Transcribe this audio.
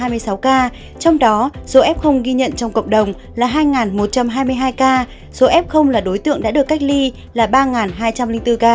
trong đó số f ghi nhận trong cộng đồng là hai một trăm hai mươi hai ca số f là đối tượng đã được cách ly là ba hai trăm linh bốn ca